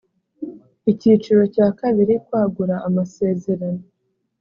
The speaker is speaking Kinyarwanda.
icyiciro cya kabiri ;kwagura amasezerano